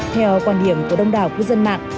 theo quan điểm của đông đào quốc dân mạng